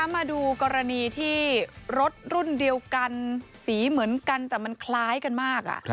มาดูกรณีที่รถรุ่นเดียวกันสีเหมือนกันแต่มันคล้ายกันมาก